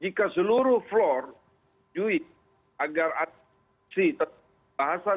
jika seluruh floor duit agar ada bahasan